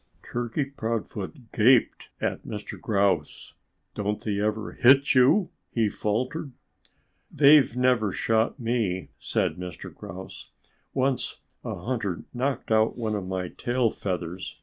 Turkey Proudfoot gaped at Mr. Grouse. "Don't they ever hit you?" he faltered. "They've never shot me," said Mr. Grouse. "Once a hunter knocked out one of my tail feathers.